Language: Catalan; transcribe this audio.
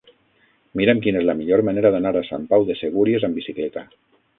Mira'm quina és la millor manera d'anar a Sant Pau de Segúries amb bicicleta.